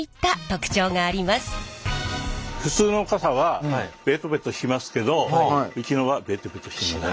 普通の傘はベトベトしますけどうちのはベトベトしない。